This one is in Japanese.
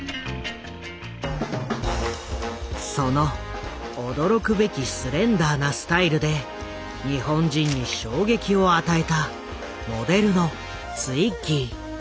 その驚くべきスレンダーなスタイルで日本人に衝撃を与えたモデルのツイッギー。